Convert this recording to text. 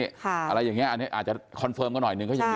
อะไรอย่างนี้อาจจะคอนเฟิร์มก็หน่อยหนึ่ง